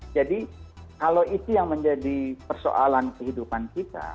jadi kalau itu yang menjadi persoalan kehidupan kita